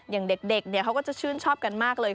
อย่างเด็กเขาก็จะชื่นชอบกันมากเลย